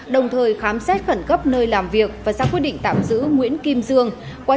đồng thời khám xét khẩn cấp nơi làm việc và xác quyết định tạm giữ nguyễn kim dương